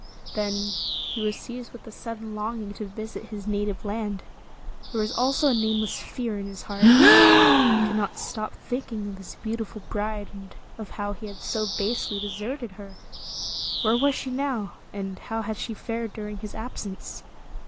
Then he was seized with a sudden long ing to visit his native land. There was also a nameless fear in his heart. He could not stop thinking of his beautiful bride, and of how he had so basely de serted her. Where was she now, and how had she fared during his absence